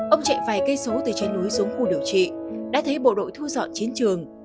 ông chạy vài cây số từ trên núi xuống khu điều trị đã thấy bộ đội thu dọn chiến trường